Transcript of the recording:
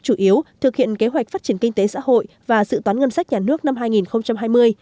chủ yếu thực hiện kế hoạch phát triển kinh tế xã hội và dự toán ngân sách nhà nước năm hai nghìn hai mươi